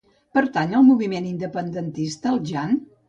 Pertany al moviment independentista el Jan?